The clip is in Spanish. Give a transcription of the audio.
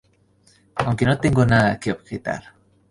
Aunque no tengo nada que objetar.